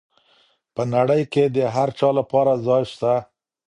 په نړۍ کي د هر چا لپاره ځای سته.